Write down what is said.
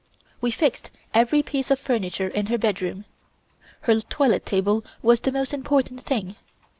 We fixed every piece of furniture in her bedroom. Her toilet table was the most important thing.